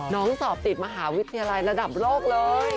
สอบติดมหาวิทยาลัยระดับโลกเลย